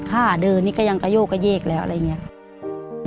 ท่าเดินนี่ก็ยังกระโกกกระเกแล้วอะไรอย่างนี้